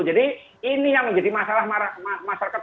jadi ini yang menjadi masalah masyarakat